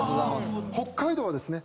北海道はですね